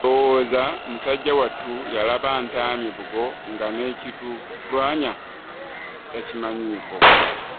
Ndowooza musajjawattu yalaba ntaamye bugo nga n'ekitulwanya takimanyiiko.